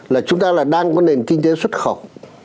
là chúng ta là đang có nền kinh tế xuất khẩu